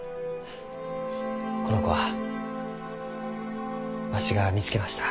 この子はわしが見つけました。